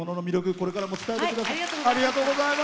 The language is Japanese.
これからも伝えてください。